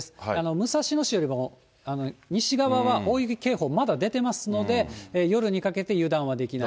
武蔵野市よりも西側は大雪警報、まだ出てますので、夜にかけて油断はできない。